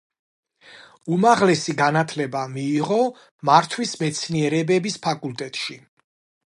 უმაღლესი განათლება მიიღო მართვის მეცნიერებების ფაკულტეტში.